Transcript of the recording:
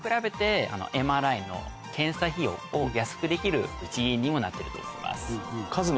ＭＲＩの検査費用を安くできる一因にもなってると思います。